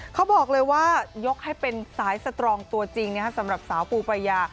เขาบอกเลยว่ายกให้เป็นสายสตรองตัวจริงสำหรับสาวปูปรายา